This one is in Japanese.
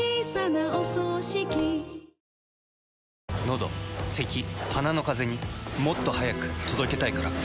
のどせき鼻のカゼにもっと速く届けたいから。